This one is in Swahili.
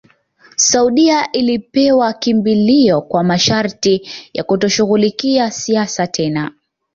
Saudia alipewa kimbilio kwa masharti ya kutoshughulikia siasa tena